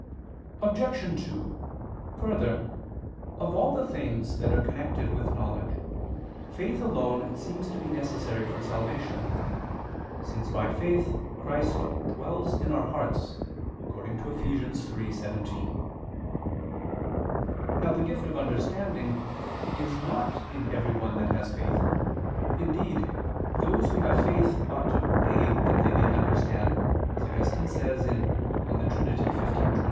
Obj. 2: Further, of all the things that are connected with knowledge, faith alone seems to be necessary for salvation, since by faith Christ dwells in our hearts, according to Eph. 3:17. Now the gift of understanding is not in everyone that has faith; indeed, those who have faith ought to pray that they may understand, as Augustine says (De Trin. xv, 27).